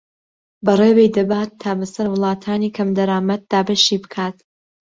بەڕێوەی دەبات تا بەسەر وڵاتانی کەمدەرامەت دابەشی بکات